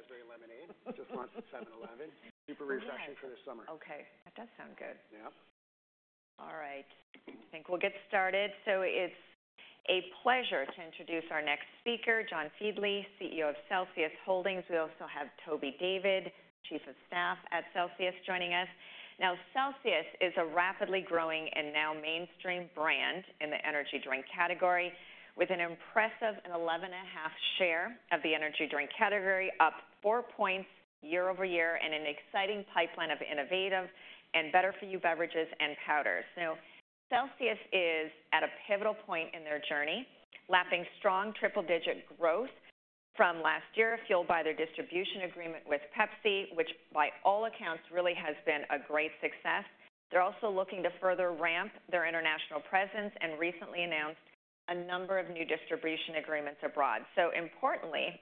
brought a Blue Raspberry Lemonade, just launched at 7-Eleven. Super refreshing for the summer. Okay, that does sound good. Yeah. All right. I think we'll get started. So it's a pleasure to introduce our next speaker, John Fieldly, CEO of Celsius Holdings. We also have Toby David, Chief of Staff at Celsius, joining us. Now, Celsius is a rapidly growing and now mainstream brand in the energy drink category, with an impressive 11.5 share of the energy drink category, up 4 points year-over-year, and an exciting pipeline of innovative and better for you beverages and powders. Now, Celsius is at a pivotal point in their journey, lapping strong triple-digit growth from last year, fueled by their distribution agreement with Pepsi, which by all accounts, really has been a great success. They're also looking to further ramp their international presence and recently announced a number of new distribution agreements abroad. So importantly,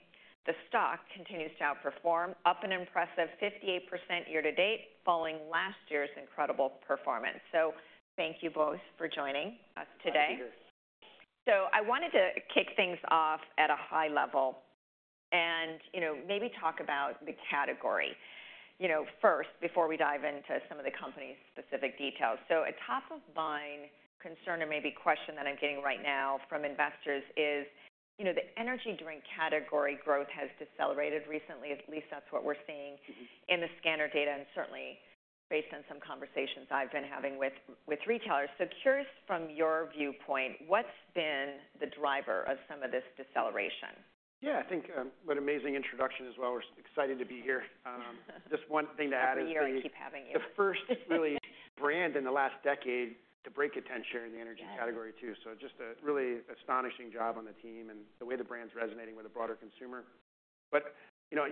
the stock continues to outperform, up an impressive 58% year to date, following last year's incredible performance. So thank you both for joining us today. Thank you. I wanted to kick things off at a high level and, you know, maybe talk about the category, you know, first, before we dive into some of the company's specific details. A top-of-mind concern, or maybe question that I'm getting right now from investors is, you know, the energy drink category growth has decelerated recently. At least that's what we're seeing... Mm-hmm. in the scanner data and certainly based on some conversations I've been having with retailers. So curious, from your viewpoint, what's been the driver of some of this deceleration? Yeah, I think, what an amazing introduction as well. We're excited to be here. Just one thing to add is- Happy to keep having you.... The first real brand in the last decade to break a 10% share in the energy category, too. Yeah. So just a really astonishing job on the team and the way the brand is resonating with a broader consumer. But, you know,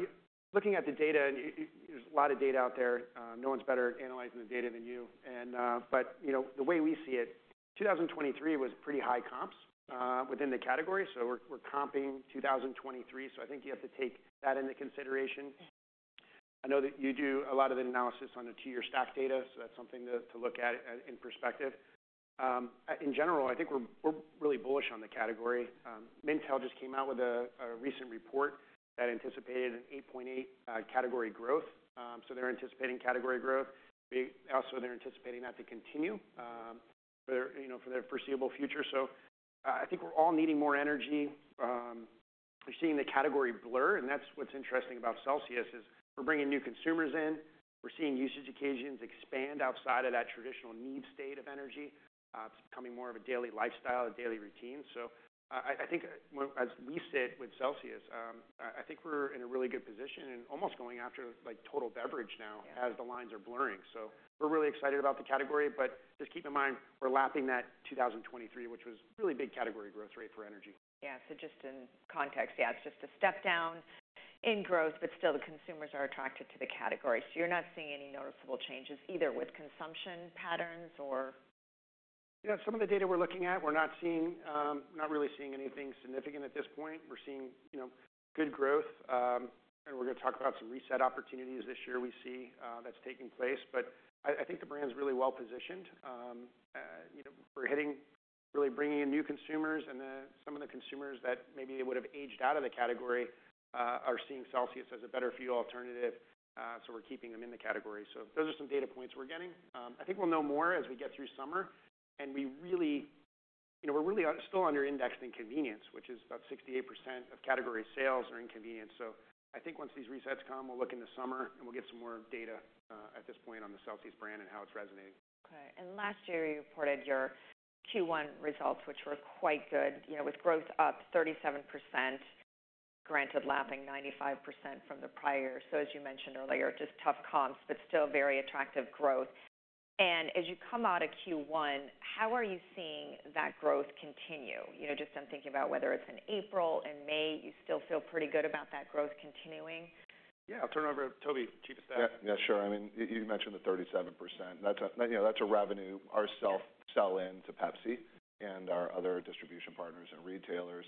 looking at the data, and there's a lot of data out there, no one's better at analyzing the data than you. And, but, you know, the way we see it, 2023 was pretty high comps, within the category, so we're comping 2023. So I think you have to take that into consideration. Mm-hmm. I know that you do a lot of the analysis on the two-year stack data, so that's something to look at in perspective. In general, I think we're really bullish on the category. Mintel just came out with a recent report that anticipated an 8.8% category growth. So they're anticipating category growth. Also, they're anticipating that to continue, you know, for the foreseeable future. So I think we're all needing more energy. We're seeing the category blur, and that's what's interesting about Celsius, is we're bringing new consumers in. We're seeing usage occasions expand outside of that traditional need state of energy. It's becoming more of a daily lifestyle, a daily routine. So I think as we sit with Celsius, I think we're in a really good position and almost going after, like, total beverage now- Yeah... as the lines are blurring. So we're really excited about the category, but just keep in mind, we're lapping that 2023, which was really big category growth rate for energy. Yeah. So just in context, yeah, it's just a step down in growth, but still, the consumers are attracted to the category. So you're not seeing any noticeable changes, either with consumption patterns or? Yeah, some of the data we're looking at, we're not seeing, not really seeing anything significant at this point. We're seeing, you know, good growth, and we're going to talk about some reset opportunities this year we see that's taking place. But I think the brand is really well-positioned. You know, we're hitting... Really bringing in new consumers, and then some of the consumers that maybe would have aged out of the category are seeing Celsius as a better fuel alternative, so we're keeping them in the category. So those are some data points we're getting. I think we'll know more as we get through summer. And we really-- you know, we're really still under indexed in convenience, which is about 68% of category sales are in convenience. So I think once these resets come, we'll look in the summer and we'll get some more data, at this point on the Celsius brand and how it's resonating. Okay. And last year, you reported your Q1 results, which were quite good, you know, with growth up 37%, granted, lapping 95% from the prior. So as you mentioned earlier, just tough comps, but still very attractive growth. And as you come out of Q1, how are you seeing that growth continue? You know, just I'm thinking about whether it's in April and May, you still feel pretty good about that growth continuing? Yeah. I'll turn it over to Toby, Chief of Staff. Yeah, sure. I mean, you mentioned the 37%. That's, you know, that's a revenue or sell-in to Pepsi and our other distribution partners and retailers.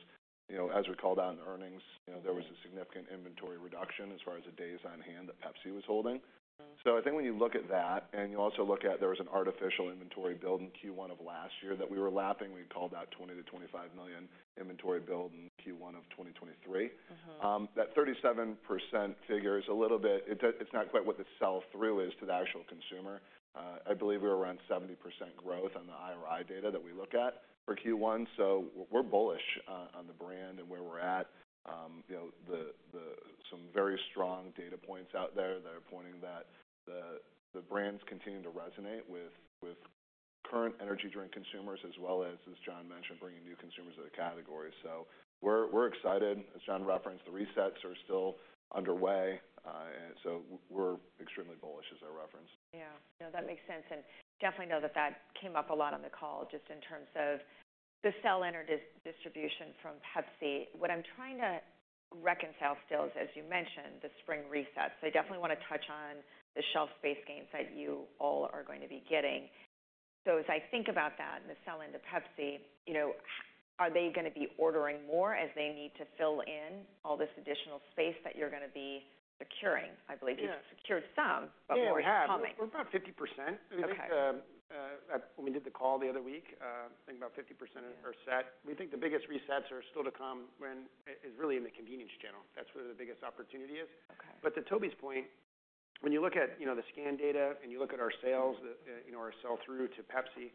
You know, as we called out in earnings, you know- Mm-hmm... there was a significant inventory reduction as far as the days on hand that Pepsi was holding. Mm-hmm. I think when you look at that, and you also look at there was an artificial inventory build in Q1 of last year that we were lapping, we called out $20 million-$25 million inventory build in Q1 of 2023. Mm-hmm. That 37% figure is a little bit—it, it's not quite what the sell-through is to the actual consumer. I believe we're around 70% growth on the IRI data that we look at for Q1, so we're bullish on, on the brand and where we're at. You know, some very strong data points out there that are pointing that the brands continue to resonate with current energy drink consumers, as well as, as John mentioned, bringing new consumers to the category. So we're excited. As John referenced, the resets are still underway, and so we're extremely bullish as I referenced. Yeah, that makes sense, and definitely know that that came up a lot on the call just in terms of the sell-in and distribution from Pepsi. What I'm trying to reconcile still is, as you mentioned, the spring resets. So I definitely want to touch on the shelf space gains that you all are going to be getting. So as I think about that and the sell-in to Pepsi, you know, how are they going to be ordering more as they need to fill in all this additional space that you're going to be securing? Yeah. I believe you've secured some, but more is coming. Yeah, we have. We're about 50%. Okay.... when we did the call the other week, I think about 50% are set. We think the biggest resets are still to come when, it's really in the convenience channel. That's where the biggest opportunity is. Okay. But to Toby's point, when you look at, you know, the scan data and you look at our sales, you know, our sell through to Pepsi,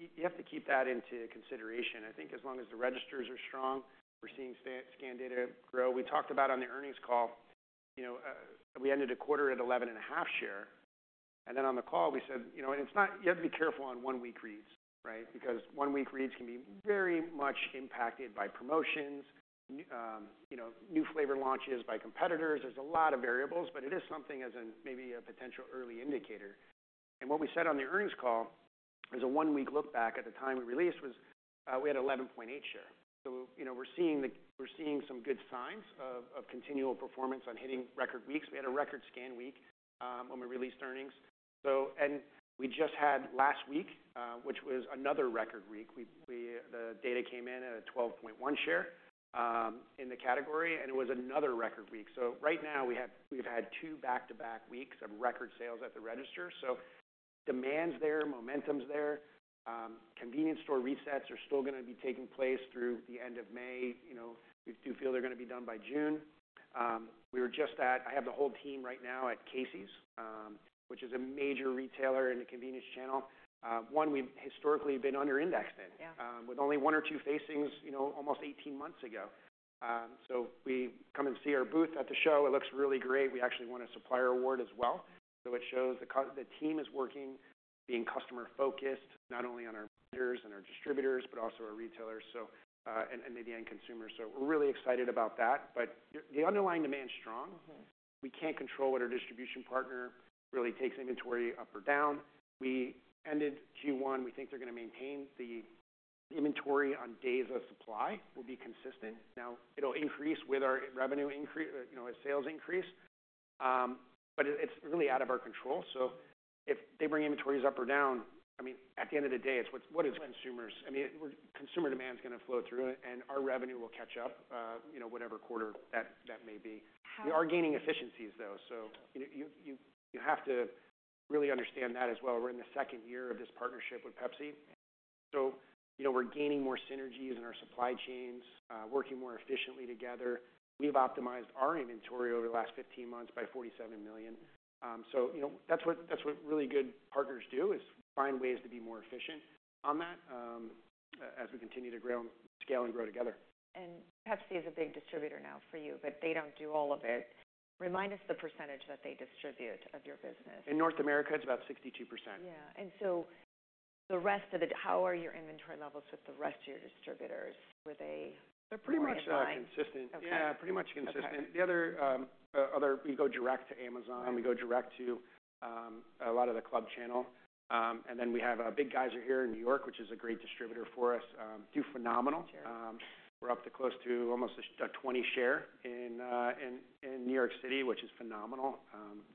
you have to keep that into consideration. I think as long as the registers are strong, we're seeing scan data grow. We talked about on the earnings call, you know, we ended a quarter at 11.5% share, and then on the call we said, you know, and it's not. You have to be careful on one-week reads, right? Because one-week reads can be very much impacted by promotions, you know, new flavor launches by competitors. There's a lot of variables, but it is something as in maybe a potential early indicator. And what we said on the earnings call, as a one-week look back at the time we released, was, we had 11.8% share. So, you know, we're seeing some good signs of continual performance on hitting record weeks. We had a record scan week when we released earnings. So, and we just had last week, which was another record week. The data came in at a 12.1 share in the category, and it was another record week. So right now we have we've had two back-to-back weeks of record sales at the register, so demand's there, momentum's there. Convenience store resets are still going to be taking place through the end of May. You know, we do feel they're going to be done by June. We were just at I have the whole team right now at Casey's, which is a major retailer in the convenience channel, one we've historically been under indexed in. Yeah. With only one or two facings, you know, almost 18 months ago. So we come and see our booth at the show. It looks really great. We actually won a supplier award as well, so it shows the team is working, being customer-focused, not only on our vendors and our distributors, but also our retailers, so, and, and maybe end consumers. So we're really excited about that. But the underlying demand is strong. Mm-hmm. We can't control what our distribution partner really takes inventory up or down. We ended Q1. We think they're going to maintain the inventory on days of supply will be consistent. Now, it'll increase with our revenue increase, you know, as sales increase, but it, it's really out of our control. So if they bring inventories up or down, I mean, at the end of the day, it's what, what is consumers? I mean, we're— consumer demand is going to flow through and our revenue will catch up, you know, whatever quarter that, that may be. How- We are gaining efficiencies, though. So you have to really understand that as well. We're in the second year of this partnership with Pepsi, so you know, we're gaining more synergies in our supply chains, working more efficiently together. We've optimized our inventory over the last 15 months by $47 million. So you know, that's what, that's what really good partners do, is find ways to be more efficient on that, as we continue to grow, scale and grow together. Pepsi is a big distributor now for you, but they don't do all of it. Remind us the percentage that they distribute of your business? In North America, it's about 62%. Yeah. The rest of it, how are your inventory levels with the rest of your distributors? Were they- They're pretty much consistent. Okay. Yeah, pretty much consistent. Okay. The other, we go direct to Amazon. Right. We go direct to a lot of the club channel. And then we have a Big Geyser here in New York, which is a great distributor for us. Do phenomenal. Sure. We're up to close to almost a 20% share in New York City, which is phenomenal.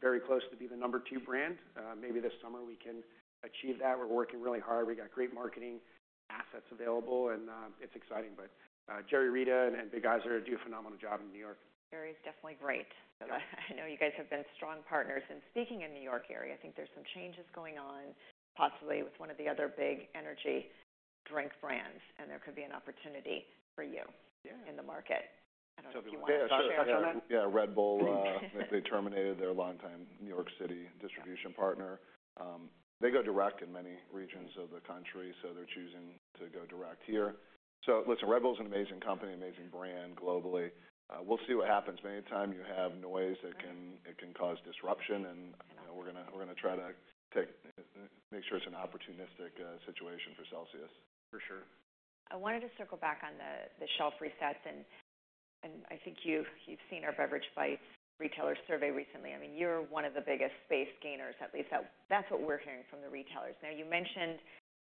Very close to be the number two brand. Maybe this summer we can achieve that. We're working really hard. We got great marketing assets available, and it's exciting. But Jerry Reda and Big Geyser do a phenomenal job in New York. Jerry is definitely great. I know you guys have been strong partners, and speaking in New York area, I think there's some changes going on, possibly with one of the other big energy drink brands, and there could be an opportunity for you- Yeah... in the market. I don't know if you want to share on that? Yeah, sure. Yeah, Red Bull, they terminated their longtime New York City distribution partner. They go direct in many regions of the country, so they're choosing to go direct here. So listen, Red Bull is an amazing company, amazing brand globally. We'll see what happens. Anytime you have noise, it can cause disruption, and, you know, we're gonna try to take, make sure it's an opportunistic situation for Celsius. For sure. I wanted to circle back on the shelf resets, and I think you've seen our Beverage Bytes retailer survey recently. I mean, you're one of the biggest space gainers, at least, that's what we're hearing from the retailers. Now, you mentioned,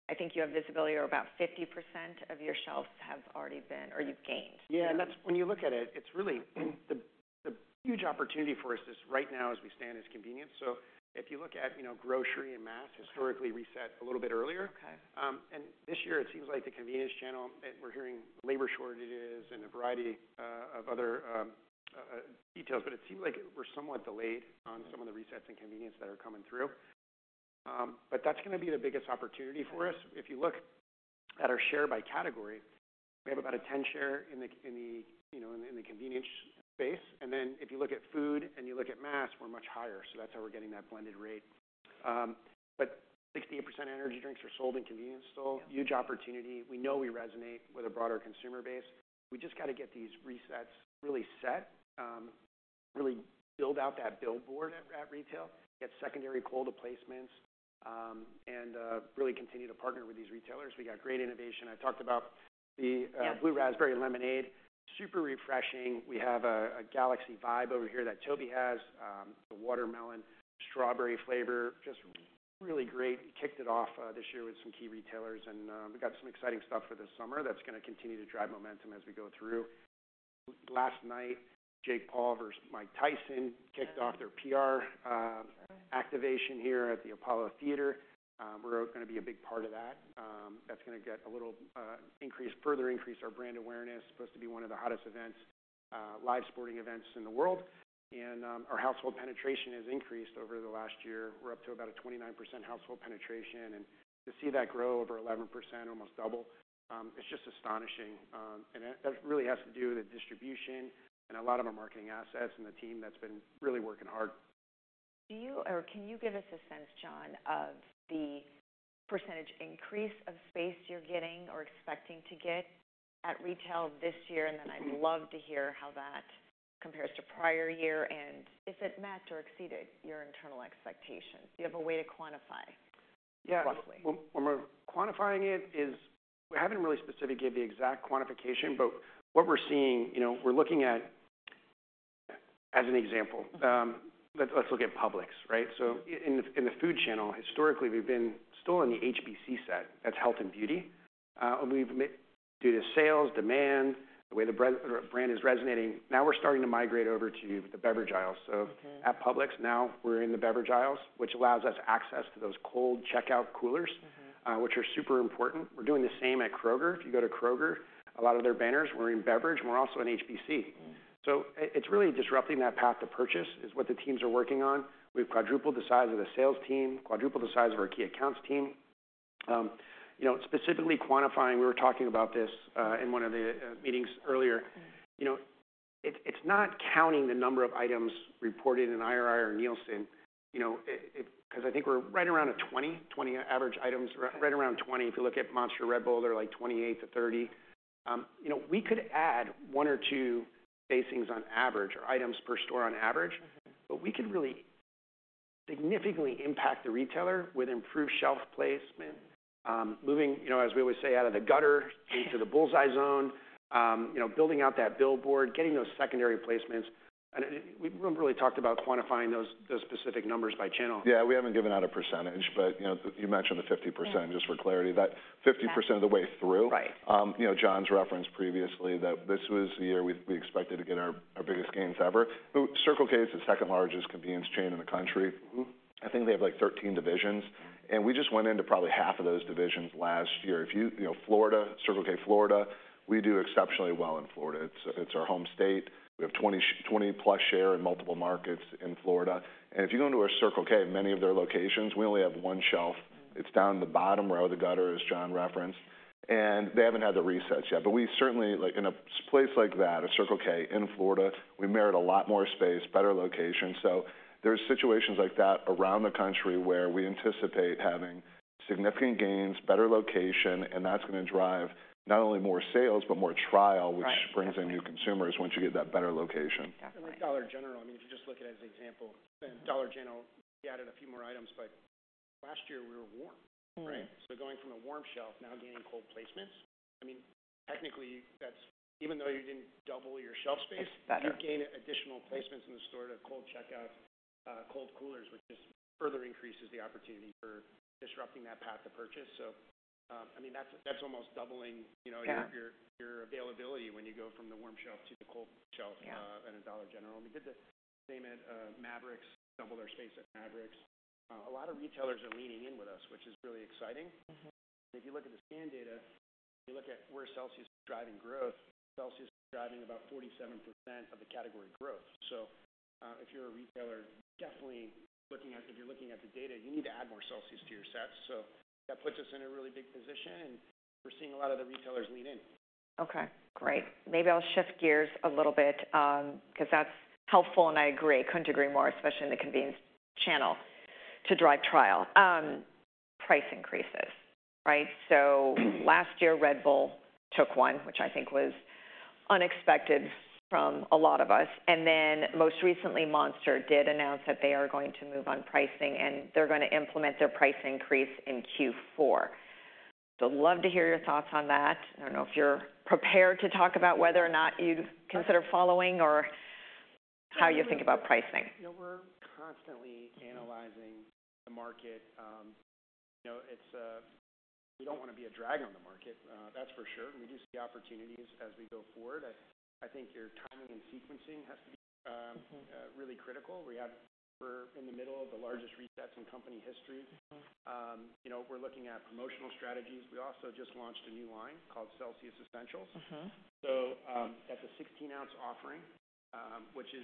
I think you have visibility, or about 50% of your shelves have already been, or you've gained. Yeah, that's. When you look at it, it's really the huge opportunity for us right now, as we stand, is convenience. So if you look at, you know, grocery and mass, historically, Reset a little bit earlier. Okay. And this year, it seems like the convenience channel, and we're hearing labor shortages and a variety of other details, but it seems like we're somewhat delayed on some of the resets and convenience that are coming through. But that's gonna be the biggest opportunity for us. If you look at our share by category, we have about a 10% share in the you know, in the convenience space. And then if you look at food and you look at mass, we're much higher. So that's how we're getting that blended rate. But 68% of energy drinks are sold in convenience stores. Yeah. Huge opportunity. We know we resonate with a broader consumer base. We just got to get these resets really set, really build out that billboard at, at retail, get secondary cold placements, and really continue to partner with these retailers. We got great innovation. I talked about the, Yeah... Blue Raspberry Lemonade. Super refreshing. We have a Galaxy Vibe over here that Toby has, a watermelon strawberry flavor, just really great. Kicked it off this year with some key retailers, and we got some exciting stuff for this summer that's gonna continue to drive momentum as we go through. Last night, Jake Paul versus Mike Tyson kicked off their PR activation here at the Apollo Theater. We're gonna be a big part of that. That's gonna get a little further increase our brand awareness. Supposed to be one of the hottest events - live sporting events in the world, and our household penetration has increased over the last year. We're up to about a 29% household penetration, and to see that grow over 11%, almost double, it's just astonishing. And that really has to do with the distribution and a lot of our marketing assets and the team that's been really working hard. Do you or can you give us a sense, John, of the percentage increase of space you're getting or expecting to get at retail this year? And then I'd love to hear how that compares to prior year, and if it matched or exceeded your internal expectations. Do you have a way to quantify- Yeah. Roughly? Well, when we're quantifying it, is we haven't really specifically given the exact quantification, but what we're seeing, you know, we're looking at, as an example, let's look at Publix, right? So in the food channel, historically, we've been still in the HBC set. That's health and beauty. Due to sales, demand, the way the brand is resonating, now we're starting to migrate over to the beverage aisle. Okay. At Publix now, we're in the beverage aisles, which allows us access to those cold checkout coolers... Mm-hmm. which are super important. We're doing the same at Kroger. If you go to Kroger, a lot of their banners, we're in beverage, and we're also in HBC. Mm. So it's really disrupting that path to purchase, is what the teams are working on. We've quadrupled the size of the sales team, quadrupled the size of our key accounts team. You know, specifically quantifying, we were talking about this in one of the meetings earlier. Mm. You know, it's not counting the number of items reported in IRI or Nielsen. You know, because I think we're right around at 20, 20 average items, right around 20. Right. If you look at Monster, Red Bull, they're like 28-30. You know, we could add 1 or 2 facings on average or items per store on average. Mm-hmm. But we could really significantly impact the retailer with improved shelf placement. Moving, you know, as we would say, out of the gutter into the bull's eye zone. You know, building out that billboard, getting those secondary placements, and we haven't really talked about quantifying those specific numbers by channel. Yeah, we haven't given out a percentage, but, you know, you mentioned the 50%. Yeah. Just for clarity, that 50% of the way through. Right. You know, John's referenced previously that this was the year we expected to get our biggest gains ever. Circle K is the second-largest convenience chain in the country. Mm-hmm. I think they have, like, 13 divisions, and we just went into probably half of those divisions last year. If you... You know, Florida, Circle K Florida, we do exceptionally well in Florida. It's, it's our home state. We have 20+% share in multiple markets in Florida, and if you go into a Circle K, many of their locations, we only have one shelf. It's down the bottom row, the gutter, as John referenced, and they haven't had the resets yet. But we certainly, like, in a place like that, a Circle K in Florida, we merit a lot more space, better location. So there are situations like that around the country where we anticipate having significant gains, better location, and that's gonna drive not only more sales, but more trial- Right. which brings in new consumers once you get that better location. Definitely. With Dollar General, I mean, if you just look at it as an example, then Dollar General, we added a few more items, but last year we were warm. Mm-hmm. Right? So going from a warm shelf, now gaining cold placements, I mean, technically, that's even though you didn't double your shelf space- It's better... you gain additional placements in the store to cold checkout, cold coolers, which just further increases the opportunity for disrupting that path to purchase. So, I mean, that's almost doubling, you know- Yeah... your availability when you go from the warm shelf to the cold shelf- Yeah... in a Dollar General. We did the same at Maverik, doubled our space at Maverik. A lot of retailers are leaning in with us, which is really exciting. Mm-hmm. If you look at the scan data, if you look at where Celsius is driving growth, Celsius is driving about 47% of the category growth. So, if you're a retailer, if you're looking at the data, you need to add more Celsius to your sets. So that puts us in a really big position, and we're seeing a lot of the retailers lean in. Okay, great. Maybe I'll shift gears a little bit, because that's helpful, and I agree. Couldn't agree more, especially in the convenience channel, to drive trial. Price increases, right? So last year, Red Bull took one, which I think was unexpected from a lot of us, and then most recently, Monster did announce that they are going to move on pricing, and they're gonna implement their price increase in Q4. So love to hear your thoughts on that. I don't know if you're prepared to talk about whether or not you'd consider following or how you think about pricing. You know, we're constantly analyzing the market. You know, it's... We don't want to be a drag on the market, that's for sure. We do see opportunities as we go forward. I think your timing and sequencing has to be... Mm-hmm... really critical. We're in the middle of the largest resets in company history. Mm-hmm. You know, we're looking at promotional strategies. We also just launched a new line called Celsius Essentials. Mm-hmm. So, that's a 16-ounce offering, which is.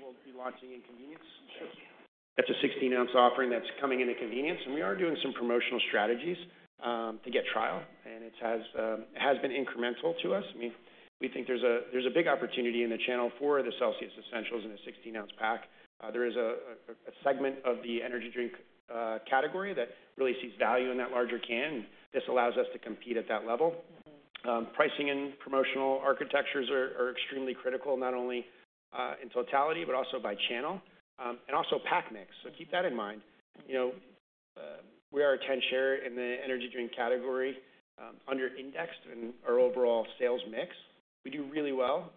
We'll be launching in convenience. Sure. That's a 16-ounce offering that's coming into convenience, and we are doing some promotional strategies to get trial, and it has been incremental to us. I mean, we think there's a big opportunity in the channel for the Celsius Essentials in a 16-ounce pack. There is a segment of the energy drink category that really sees value in that larger can. This allows us to compete at that level. Mm-hmm. Pricing and promotional architectures are extremely critical, not only in totality, but also by channel, and also pack mix. So keep that in mind. You know, we are a 10-share in the energy drink category, under-indexed in our overall sales mix. We do really well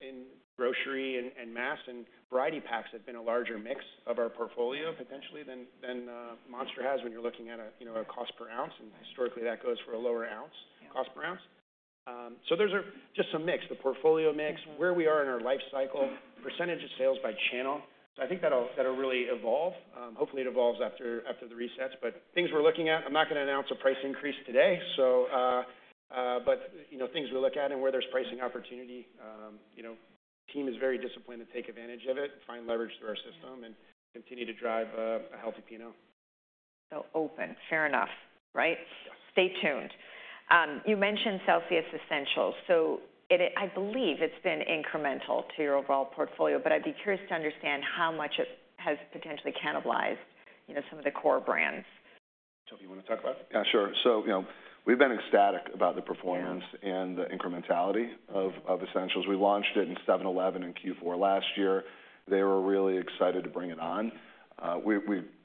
in grocery and mass, and variety packs have been a larger mix of our portfolio potentially than Monster has when you're looking at a, you know, a cost per ounce, and historically, that goes for a lower ounce- Yeah... cost per ounce. So those are just some mix, the portfolio mix- Mm-hmm. where we are in our life cycle, percentage of sales by channel. I think that'll really evolve. Hopefully, it evolves after the resets. But things we're looking at, I'm not gonna announce a price increase today, so you know, things we look at and where there's pricing opportunity, you know, team is very disciplined to take advantage of it and find leverage through our system and continue to drive a healthy P&L. So open. Fair enough, right? Yes. Stay tuned. You mentioned CELSIUS ESSENTIALS, so I believe it's been incremental to your overall portfolio, but I'd be curious to understand how much it has potentially cannibalized, you know, some of the core brands. Toby, you wanna talk about it? Yeah, sure. So, you know, we've been ecstatic about the performance- Yeah and the incrementality of Essentials. We launched it in 7-Eleven in Q4 last year. They were really excited to bring it on. We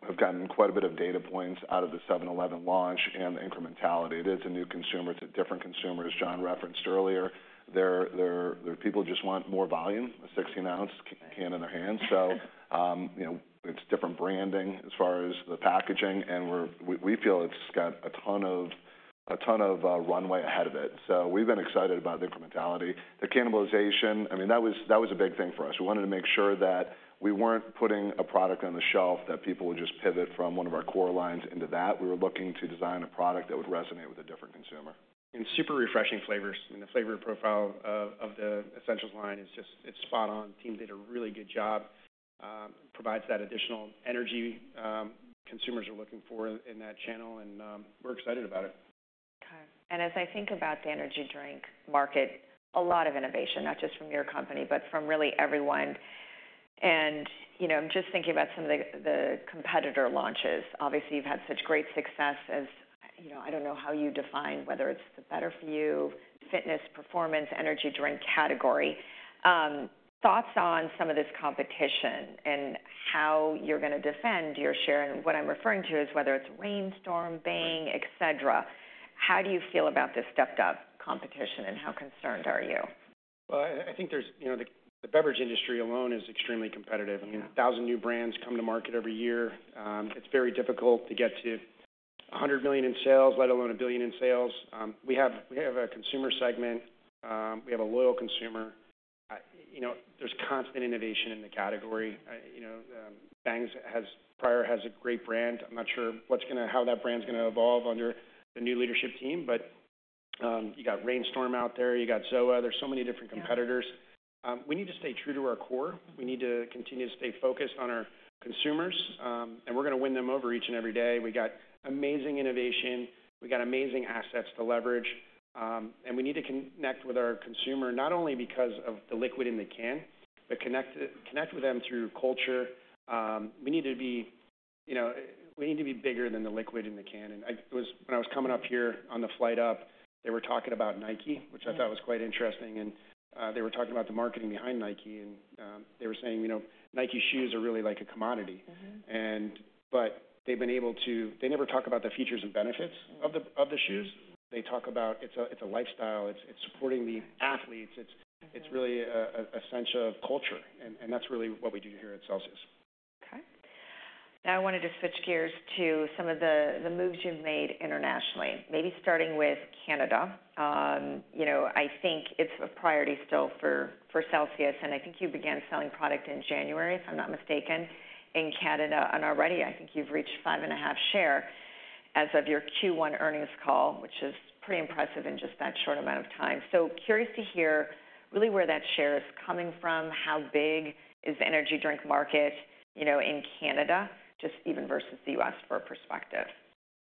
have gotten quite a bit of data points out of the 7-Eleven launch and the incrementality. It is a new consumer. It's a different consumer, as John referenced earlier. They're people who just want more volume, a 16-ounce can in their hand. So, you know, it's different branding as far as the packaging, and we feel it's got a ton of, a ton of runway ahead of it. So we've been excited about the incrementality. The cannibalization, I mean, that was a big thing for us. We wanted to make sure that we weren't putting a product on the shelf, that people would just pivot from one of our core lines into that. We were looking to design a product that would resonate with a different consumer. And super refreshing flavors, and the flavor profile of the Essentials line is just... It's spot on. Team did a really good job. Provides that additional energy, consumers are looking for in that channel, and we're excited about it. Okay. As I think about the energy drink market, a lot of innovation, not just from your company, but from really everyone. You know, I'm just thinking about some of the competitor launches. Obviously, you've had such great success, as, you know, I don't know how you define whether it's the better-for-you, fitness, performance, energy drink category. Thoughts on some of this competition and how you're gonna defend your share? What I'm referring to is whether it's Reign Storm, Bang, et cetera. How do you feel about this stepped-up competition, and how concerned are you? Well, I think there's... You know, the beverage industry alone is extremely competitive. Yeah. I mean, 1,000 new brands come to market every year. It's very difficult to get to $100 million in sales, let alone $1 billion in sales. We have, we have a consumer segment, we have a loyal consumer. You know, there's constant innovation in the category. You know, Bang has, prior, has a great brand. I'm not sure what's gonna, how that brand's gonna evolve under the new leadership team. But, you got Reign Storm out there, you got ZOA. There's so many different competitors. Yeah. We need to stay true to our core. We need to continue to stay focused on our consumers, and we're gonna win them over each and every day. We got amazing innovation, we got amazing assets to leverage, and we need to connect with our consumer, not only because of the liquid in the can, but connect, connect with them through culture. We need to be, you know, we need to be bigger than the liquid in the can. And when I was coming up here, on the flight up, they were talking about Nike- Mm-hmm... which I thought was quite interesting, and they were talking about the marketing behind Nike. They were saying, "You know, Nike shoes are really like a commodity. Mm-hmm. They never talk about the features and benefits of the shoes. They talk about it's a lifestyle, it's supporting the athletes. Mm-hmm. It's really a sense of culture, and that's really what we do here at Celsius. Okay. Now, I wanted to switch gears to some of the moves you've made internationally, maybe starting with Canada. You know, I think it's a priority still for Celsius, and I think you began selling product in January, if I'm not mistaken, in Canada. And already, I think you've reached 5.5% share as of your Q1 earnings call, which is pretty impressive in just that short amount of time. So curious to hear really where that share is coming from. How big is the energy drink market, you know, in Canada, just even versus the U.S., for perspective?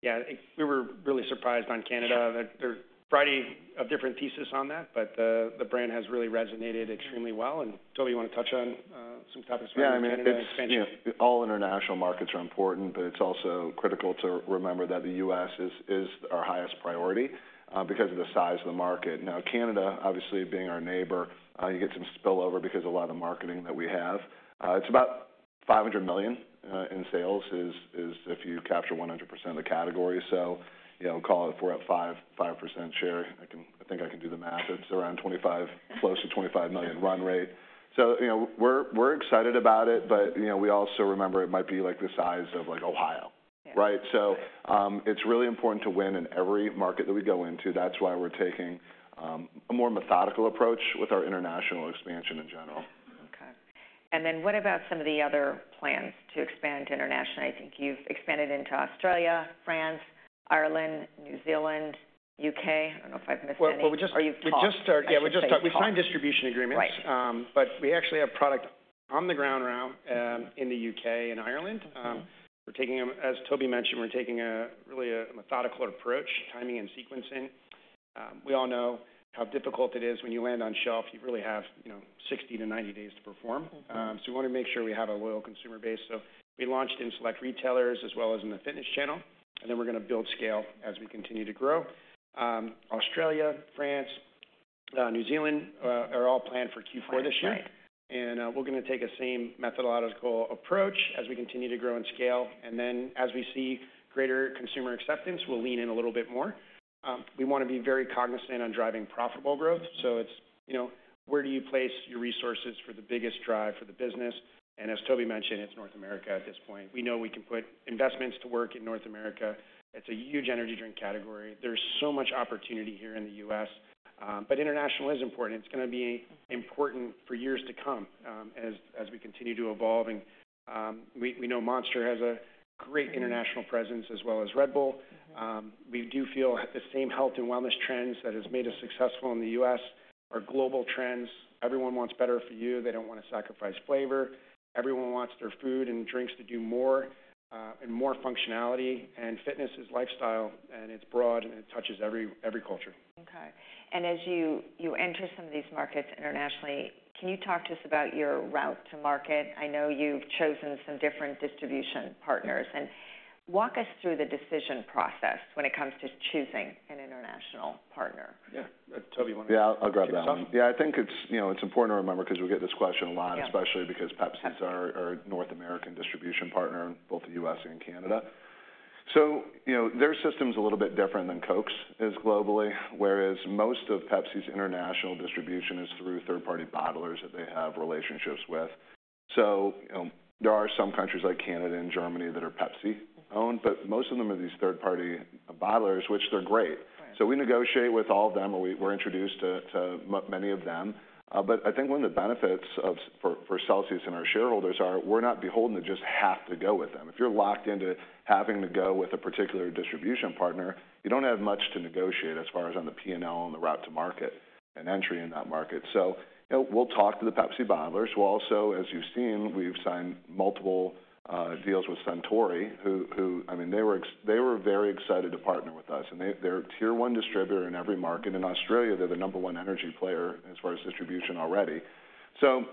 Yeah, we were really surprised on Canada. Sure. There are a variety of different theses on that, but the brand has really resonated extremely well. And, Toby, you wanna touch on some topics around- Yeah, I mean, it's- -international expansion?... you know, all international markets are important, but it's also critical to remember that the US is our highest priority, because of the size of the market. Now, Canada, obviously, being our neighbor, you get some spillover because a lot of the marketing that we have. It's about $500 million in sales, if you capture 100% of the category. So you know, call it, we're at 5% share. I think I can do the math. It's around 25, close to $25 million run rate. So you know, we're excited about it, but you know, we also remember it might be, like, the size of, like, Ohio. Yeah. Right? Right. It's really important to win in every market that we go into. That's why we're taking a more methodical approach with our international expansion in general. Okay. And then, what about some of the other plans to expand internationally? I think you've expanded into Australia, France, Ireland, New Zealand, UK. I don't know if I've missed any- Well, well, we just- Or you've talked. We just start- I should say you talked. Yeah, we just signed distribution agreements. Right. But we actually have product on the ground right now. Mm-hmm... in the U.K. and Ireland. Mm-hmm. We're taking them. As Toby mentioned, we're taking a really methodical approach, timing and sequencing. We all know how difficult it is when you land on shelf. You really have, you know, 60-90 days to perform. Mm-hmm. We wanna make sure we have a loyal consumer base. We launched in select retailers as well as in the fitness channel, and then we're gonna build scale as we continue to grow. Australia, France, New Zealand, are all planned for Q4 this year. Right. We're gonna take the same methodological approach as we continue to grow and scale, and then as we see greater consumer acceptance, we'll lean in a little bit more. We wanna be very cognizant on driving profitable growth. Mm-hmm. So it's, you know, where do you place your resources for the biggest drive for the business? And as Toby mentioned, it's North America at this point. We know we can put investments to work in North America. It's a huge energy drink category. There's so much opportunity here in the U.S., but international is important. It's gonna be important for years to come, as we continue to evolve. And we know Monster has a great- Mm-hmm... international presence as well as Red Bull. We do feel the same health and wellness trends that has made us successful in the U.S. are global trends. Everyone wants better for you. They don't want to sacrifice flavor. Everyone wants their food and drinks to do more, and more functionality, and fitness is lifestyle, and it's broad, and it touches every culture. Okay. As you enter some of these markets internationally, can you talk to us about your route to market? I know you've chosen some different distribution partners, and walk us through the decision process when it comes to choosing an international partner. Yeah. Toby, you want to- Yeah, I'll grab that one. Yeah, I think it's, you know, it's important to remember because we get this question a lot- Yeah. especially because Pepsi's our North American distribution partner in both the U.S. and Canada. So, you know, their system's a little bit different than Coke's is globally. Whereas most of Pepsi's international distribution is through third-party bottlers that they have relationships with. So, you know, there are some countries like Canada and Germany that are Pepsi-owned, but most of them are these third-party bottlers, which they're great. Right. So we negotiate with all of them, or we're introduced to many of them. But I think one of the benefits for Celsius and our shareholders is, we're not beholden to just have to go with them. If you're locked into having to go with a particular distribution partner, you don't have much to negotiate as far as on the P&L and the route to market and entry in that market. So, you know, we'll talk to the Pepsi bottlers. We'll also, as you've seen, we've signed multiple deals with Suntory, who I mean, they were very excited to partner with us, and they, they're a tier one distributor in every market. In Australia, they're the number one energy player as far as distribution already. So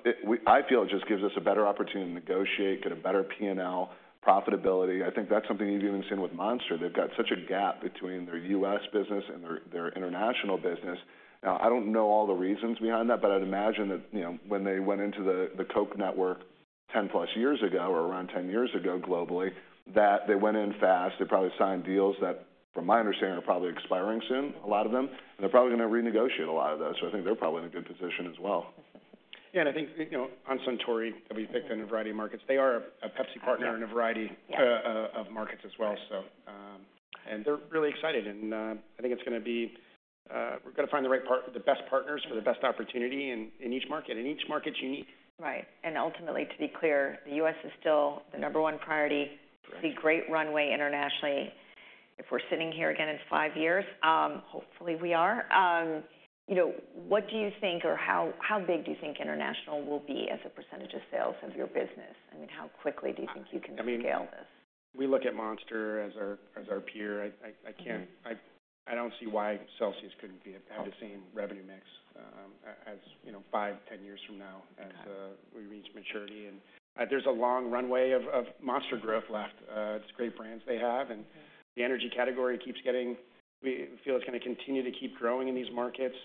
I feel it just gives us a better opportunity to negotiate, get a better P&L profitability. I think that's something you've even seen with Monster. They've got such a gap between their U.S. business and their international business. Now, I don't know all the reasons behind that, but I'd imagine that, you know, when they went into the Coke network 10+ years ago or around 10 years ago globally, that they went in fast. They probably signed deals that, from my understanding, are probably expiring soon, a lot of them, and they're probably going to renegotiate a lot of those. So I think they're probably in a good position as well. Yeah, and I think, you know, on Suntory that we picked in a variety of markets, they are a Pepsi partner- Yeah. - in a variety- Yeah... of markets as well. Right. They're really excited, and I think it's gonna be... We're gonna find the right part- the best partners for the best opportunity in each market, and each market's unique. Right. Ultimately, to be clear, the US is still the number one priority. Right. The great runway internationally. If we're sitting here again in five years, hopefully, we are, you know, what do you think or how, how big do you think international will be as a percentage of sales of your business? I mean, how quickly do you think you can scale this? I mean, we look at Monster as our peer. I can't- Mm-hmm. I don't see why Celsius couldn't be at, have the same revenue mix, as, you know, 5, 10 years from now- Okay... as we reach maturity, and there's a long runway of Monster growth left. It's great brands they have, and- Yeah... the energy category keeps getting, we feel it's gonna continue to keep growing in these markets.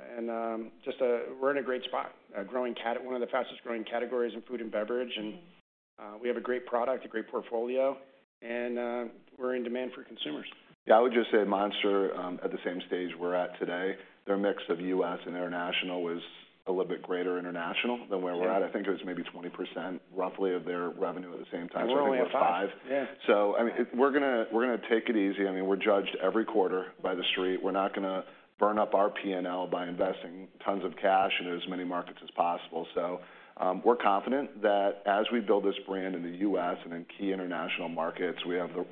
We're in a great spot, a growing category, one of the fastest-growing categories in food and beverage, and- Mm-hmm... we have a great product, a great portfolio, and we're in demand for consumers. Yeah, I would just say Monster at the same stage we're at today, their mix of U.S. and international was a little bit greater international than where we're at. Yeah. I think it was maybe 20%, roughly, of their revenue at the same time. We're only at five. I think it was five. Yeah. So I mean, we're gonna take it easy. I mean, we're judged every quarter by the Street. We're not gonna burn up our P&L by investing tons of cash in as many markets as possible. So, we're confident that as we build this brand in the U.S. and in key international markets, we have the,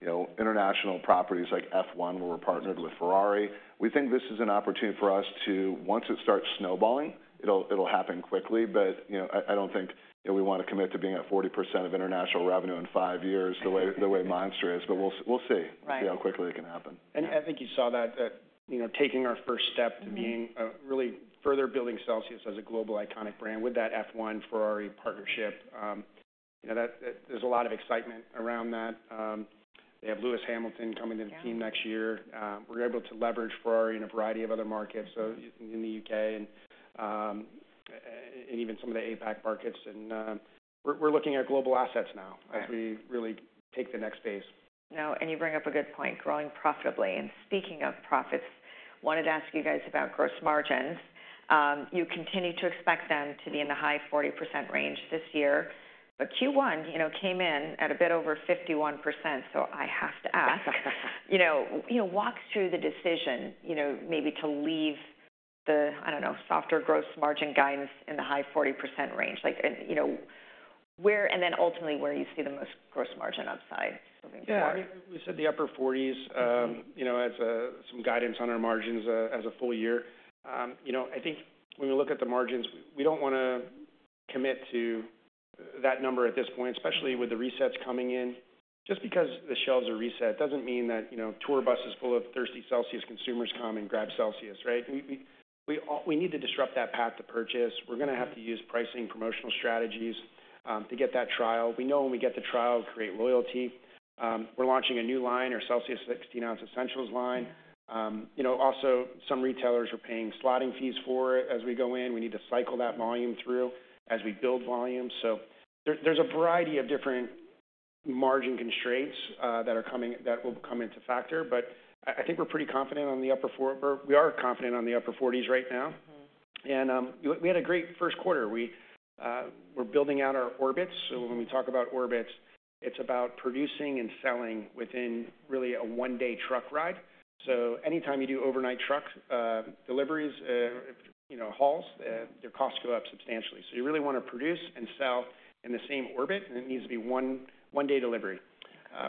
you know, international properties like F1, where we're partnered with Ferrari. We think this is an opportunity for us to, once it starts snowballing, it'll happen quickly. But, you know, I don't think that we want to commit to being at 40% of international revenue in five years the way the way Monster is, but we'll see. Right. We'll see how quickly it can happen. And I think you saw that, you know, taking our first step- Mm-hmm... to being, really further building Celsius as a global iconic brand with that F1 Ferrari partnership, you know, that... There's a lot of excitement around that. They have Lewis Hamilton coming to the team next year. Yeah. We're able to leverage Ferrari in a variety of other markets, so in the UK and even some of the APAC markets. We're looking at global assets now- Right... as we really take the next phase. Now, you bring up a good point, growing profitably. Speaking of profits, wanted to ask you guys about gross margins. You continue to expect them to be in the high 40% range this year, but Q1, you know, came in at a bit over 51%, so I have to ask. You know, you know, walk through the decision, you know, maybe to leave the, I don't know, softer gross margin guidance in the high 40% range. Like, and, you know, where, and then ultimately, where you see the most gross margin upside moving forward? Yeah, we said the upper 40s- Mm-hmm... you know, as some guidance on our margins as a full year. You know, I think when we look at the margins, we don't wanna commit to that number at this point, especially with the resets coming in. Just because the shelves are reset, doesn't mean that, you know, tour buses full of thirsty Celsius consumers come and grab Celsius, right? We need to disrupt that path to purchase. We're gonna have to use pricing, promotional strategies to get that trial. We know when we get the trial, it'll create loyalty. We're launching a new line, our Celsius 16-ounce Essentials line. You know, also, some retailers are paying slotting fees for it. As we go in, we need to cycle that volume through as we build volume. So there's a variety of different margin constraints that are coming, that will come into play, but I think we're pretty confident on the upper 40s right now. Mm-hmm. We had a great first quarter. We're building out our orbits. So when we talk about orbits, it's about producing and selling within really a one-day truck ride. So anytime you do overnight truck deliveries, you know, hauls, your costs go up substantially. So you really want to produce and sell in the same orbit, and it needs to be one-day delivery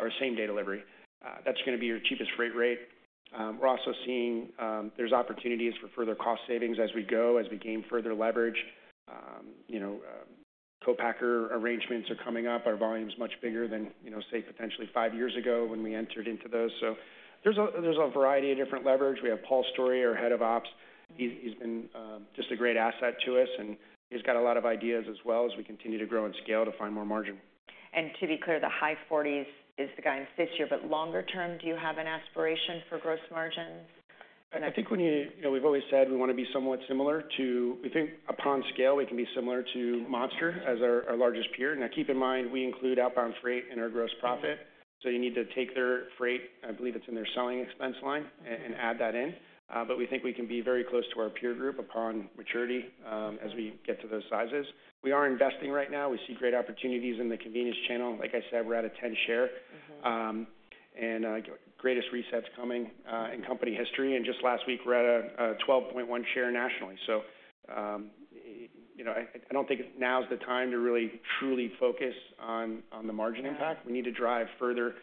or same-day delivery. That's gonna be your cheapest freight rate. We're also seeing there's opportunities for further cost savings as we go, as we gain further leverage. You know, co-packer arrangements are coming up. Our volume's much bigger than, you know, say, potentially five years ago when we entered into those. So there's a variety of different leverage. We have Paul Storey, our head of ops. He's been just a great asset to us, and he's got a lot of ideas as well as we continue to grow and scale to find more margin. To be clear, the high 40s is the guide this year, but longer term, do you have an aspiration for gross margin? I think we need. You know, we've always said we wanna be somewhat similar to. We think upon scale, we can be similar to Monster as our largest peer. Now, keep in mind, we include outbound freight in our gross profit, so you need to take their freight. I believe it's in their selling expense line, and add that in. But we think we can be very close to our peer group upon maturity, as we get to those sizes. We are investing right now. We see great opportunities in the convenience channel. Like I said, we're at a 10% share. Mm-hmm. Greatest resets coming in company history, and just last week, we're at a 12.1 share nationally. So, you know, I don't think now is the time to really, truly focus on the margin impact. Yeah. We need to drive further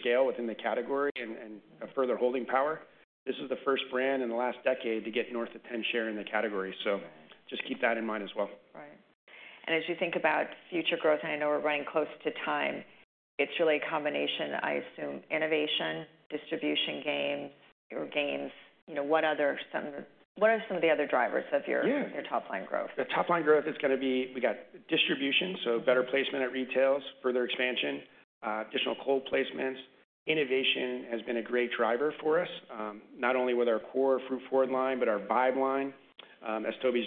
scale within the category and a further holding power. This is the first brand in the last decade to get north of 10 share in the category. So just keep that in mind as well. Right. And as you think about future growth, I know we're running close to time, it's really a combination, I assume, innovation, distribution gain or gains. You know, what are some of the other drivers of your- Yeah. Your top line growth? The top line growth is gonna be, we got distribution, so better placement at retailers, further expansion, additional cold placements. Innovation has been a great driver for us, not only with our core fruit-forward line, but our Vibe line. As Toby's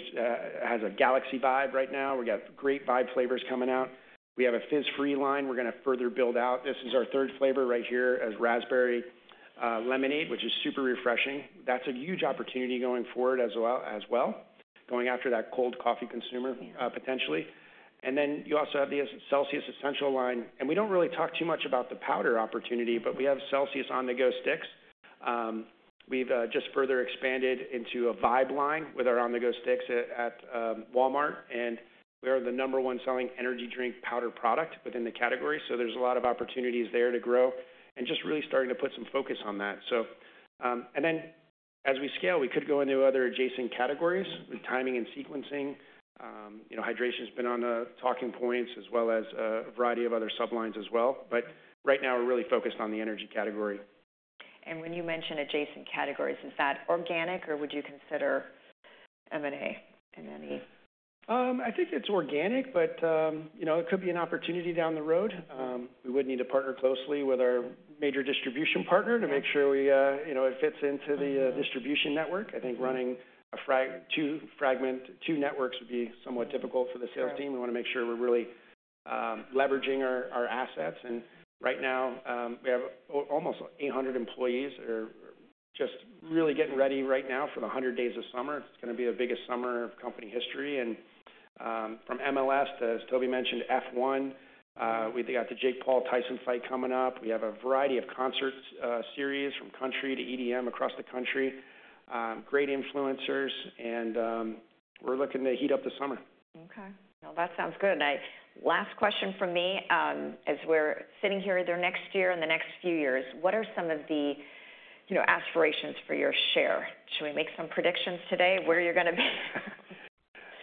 has a Galaxy Vibe right now. We got great Vibe flavors coming out. We have a Fizz-Free line we're gonna further build out. This is our third flavor right here as Raspberry Lemonade, which is super refreshing. That's a huge opportunity going forward as well, going after that cold coffee consumer- Yeah. Potentially. And then you also have the Celsius Essentials line. And we don't really talk too much about the powder opportunity, but we have Celsius On-the-Go sticks. We've just further expanded into a Vibe line with our On-the-Go sticks at Walmart, and we are the number one selling energy drink powder product within the category. So there's a lot of opportunities there to grow and just really starting to put some focus on that. So, and then, as we scale, we could go into other adjacent categories- Mm-hmm. with timing and sequencing. You know, hydration has been on the talking points, as well as a variety of other sublines as well. But right now, we're really focused on the energy category. When you mention adjacent categories, is that organic, or would you consider M&A in any? I think it's organic, but you know, it could be an opportunity down the road. We would need to partner closely with our major distribution partner- Yeah. to make sure we, you know, it fits into the distribution network. I think running two fragmented networks would be somewhat difficult for the sales team. Sure. We wanna make sure we're really leveraging our assets. Right now we have almost 800 employees who are just really getting ready right now for the 100 Days of Summer. It's gonna be the biggest summer of company history. From MLS to, as Toby mentioned, F1, we've got the Jake Paul-Tyson fight coming up. We have a variety of concerts series from country to EDM across the country, great influencers, and we're looking to heat up the summer. Okay. Well, that sounds good. Last question from me, as we're sitting here, the next year and the next few years, what are some of the, you know, aspirations for your share? Should we make some predictions today, where you're gonna be?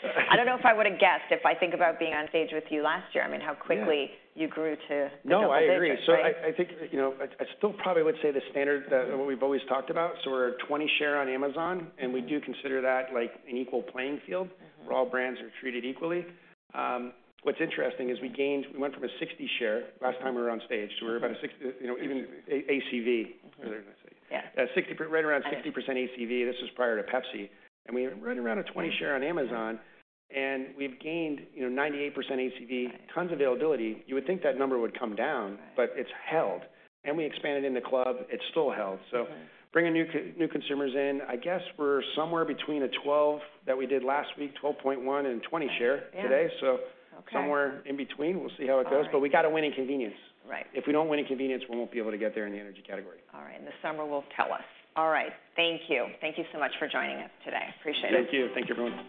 I don't know if I would have guessed, if I think about being on stage with you last year, I mean, how quickly- Yeah. you grew to No, I agree. Right. So I think, you know, I still probably would say the standard, what we've always talked about. So we're a 20 share on Amazon, and we do consider that, like, an equal playing field- Mm-hmm. -where all brands are treated equally. What's interesting is we gained. We went from a 60 share last time we were on stage, to about a 60, you know, even ACV, I was gonna say. Yeah. 60, right around 60% ACV. Got it. This was prior to Pepsi, and we were right around a 20% share on Amazon. Mm-hmm. We've gained, you know, 98% ACV- Right. tons of availability. You would think that number would come down. Right. But it's held. We expanded in the club, it still held. Mm-hmm. So bringing new consumers in, I guess we're somewhere between 12% that we did last week, 12.1% and 20% share today. Yeah. So- Okay. Somewhere in between. We'll see how it goes. All right. But we got to win in convenience. Right. If we don't win in convenience, we won't be able to get there in the energy category. All right. The summer will tell us. All right. Thank you. Thank you so much for joining us today. Appreciate it. Thank you. Thank you, everyone.